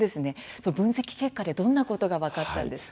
その分析結果で、どんなことが分かったんですか？